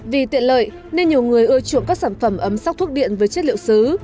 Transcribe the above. vì tiện lợi nên nhiều người ưa chuộng các sản phẩm ấm sắc thuốc điện với chất liệu xứ